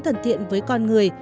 thân thiện với con người